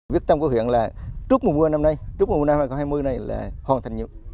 viết tâm của huyện là trước mùa mưa năm nay trước mùa mưa năm hai nghìn hai mươi này là hoàn thành nhiều